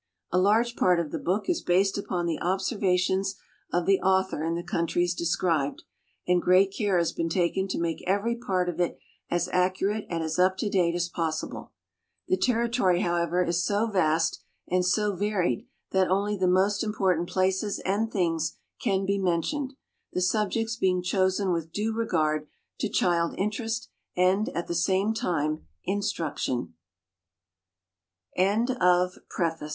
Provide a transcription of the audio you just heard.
A large part of the book is based upon the observations of the author in the countries described, and great care has been taken to make every part of it as accurate and as up to date as possible. The territory, however, is so vast and so varied that only the most important places and things can be mentioned, the subjects being chosen with due regard to child interest and, at the same time, instructio